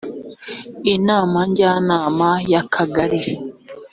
inama njyanama y akagari